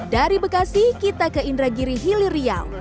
dari bekasi kita ke indragiri hilir riau